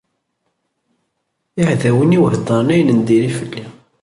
Iɛdawen-iw heddren ayen n diri fell-i.